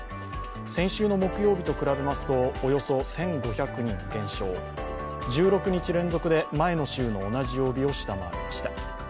先週の木曜日と比べますと、およそ１５００人減少、１６日連続で前の週の同じ曜日を下回りました。